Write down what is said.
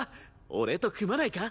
俺と組まないか？